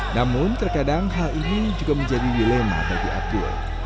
namun terkadang hal ini juga menjadi dilema bagi abdul